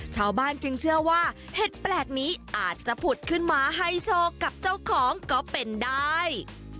ชาวบ้านจึงเชื่อว่าเห็ดแปลกนี้อาจจะผุดขึ้นมาให้โชคกับเจ้าของก็เป็นได้